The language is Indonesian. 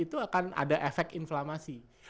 itu akan ada efek inflamasi